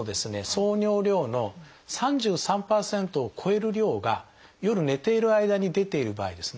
総尿量の３３％を超える量が夜寝ている間に出ている場合ですね